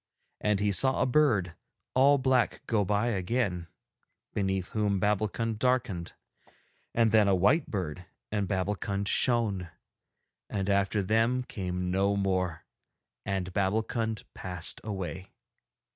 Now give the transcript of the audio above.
And he saw a bird all black go by again, beneath whom Babbulkund darkened, and then a white bird and Babbulkund shone; and after them came no more, and Babbulkund passed away.